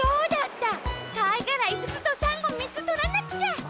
かいがらいつつとさんごみっつとらなくちゃ！